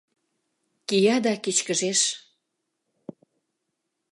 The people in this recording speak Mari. Кия да кечкыжеш.